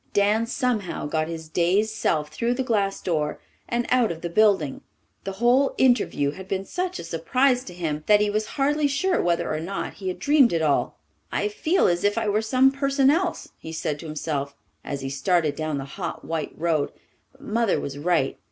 Dan somehow got his dazed self through the glass door and out of the building. The whole interview had been such a surprise to him that he was hardly sure whether or not he had dreamed it all. "I feel as if I were some person else," he said to himself, as he started down the hot white road. "But Mother was right.